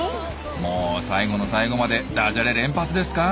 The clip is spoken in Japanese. もう最後の最後までダジャレ連発ですか？